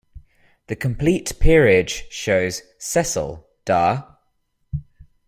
"The Complete Peerage" shows 'Cecil, da.